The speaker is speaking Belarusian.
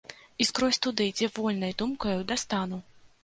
І скрозь туды, дзе вольнай думкаю дастану.